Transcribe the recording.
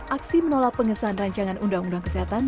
aksi menolak pengesahan rancangan undang undang kesehatan